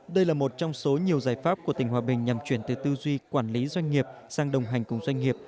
đây là một trong số nhiều giải pháp của tỉnh hòa bình nhằm chuyển từ tư duy quản lý doanh nghiệp sang đồng hành cùng doanh nghiệp